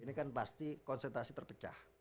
ini kan pasti konsentrasi terpecah